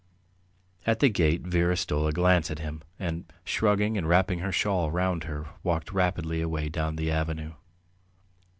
At the gate Vera stole a glance at him, and, shrugging and wrapping her shawl round her walked rapidly away down the avenue.